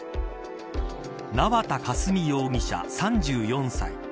縄田佳純容疑者、３４歳。